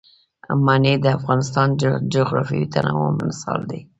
منی د افغانستان د جغرافیوي تنوع مثال دی.